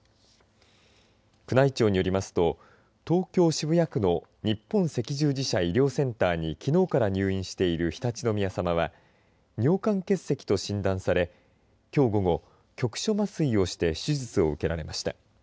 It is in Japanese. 宮内庁によりますと東京、渋谷区の日本赤十字社医療センターにきのうから入院している常陸宮さまは尿管結石と診断されきょう午後、局所麻酔をして手術を受けられました。